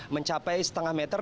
mencapai setengah meter